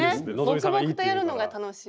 黙々とやるのが楽しい。